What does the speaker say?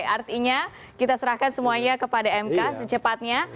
artinya kita serahkan semuanya kepada mk secepatnya